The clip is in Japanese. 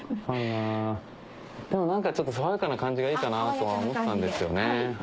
でも何かちょっと爽やかな感じがいいかなとは思ったんですよね。